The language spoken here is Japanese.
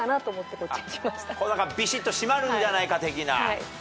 びしっと締まるんじゃないか的な。